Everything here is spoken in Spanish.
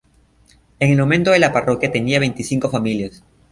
En el momento de la parroquia tenía veinticinco familias.